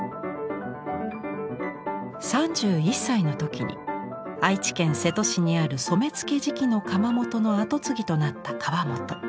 ３１歳の時に愛知県瀬戸市にある染付磁器の窯元の跡継ぎとなった河本。